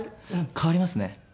変わりますね。